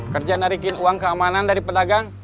kerja narikin uang keamanan dari pedagang